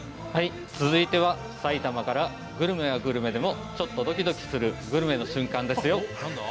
続いては埼玉から、グルメはグルメでもちょっとどきどきするグルメの瞬間ですよ。